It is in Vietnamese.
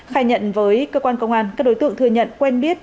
khai nhận với cơ quan công an các đối tượng thừa nhận quen biết